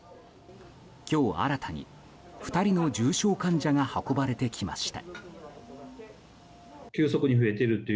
今日新たに２人の重症患者が運ばれてきました。